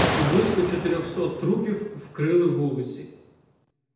І близько чотирьохсот трупів вкрили вулиці.